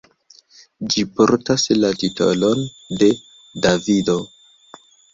Ĝi portas la titolon: "De Davido.